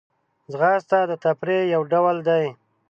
ځغاسته د تفریح یو ډول دی